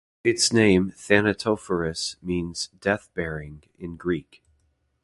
Its name "Thanatophoros", means "death-bearing" in Greek.